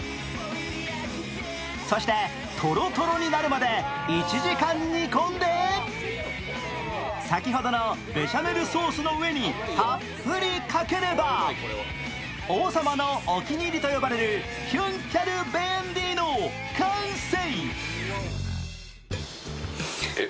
そしてとろとろになるまで１時間煮込んで先ほどのベシャメルソースの上にたっぷりかければ王様のお気に入りと呼ばれるヒュンキャルベエンディの完成！